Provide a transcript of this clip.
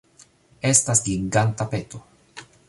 Estas giganta peto